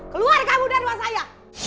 keluar kamu dari rumah saya